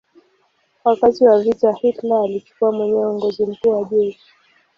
Wakati wa vita Hitler alichukua mwenyewe uongozi mkuu wa jeshi.